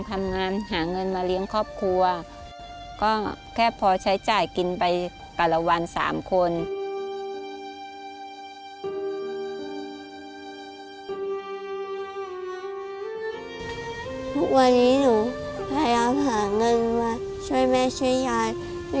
ทุกวันนี้หนูมารับเผาเงินมาช่วยแม่ช่วยย้าน